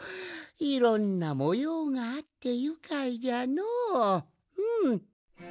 いろんなもようがあってゆかいじゃのううん。